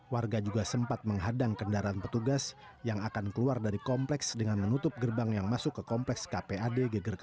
warga juga sempat menghadang kendaraan petugas yang akan keluar dari kompleks dengan menutup gerbang yang masuk ke kompleks kpad geger